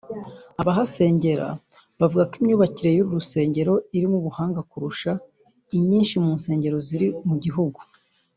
Abahasengera bavuga ko imyubakire y’uru rusengero irimo ubuhanga kurusha inyinshi mu nsengero ziri mu gihugu